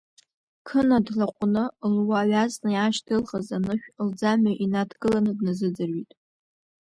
Қына длаҟәны луаҩа азна иаашьҭылхыз анышә лӡамҩа инадылкылан, дназыӡырҩит.